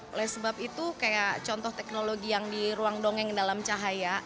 oleh sebab itu kayak contoh teknologi yang di ruang dongeng dalam cahaya